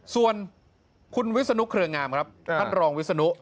ส่วนคุณวิศนุเครืองามครับท่านรองวิศนุ